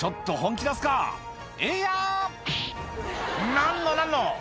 「何の何の！」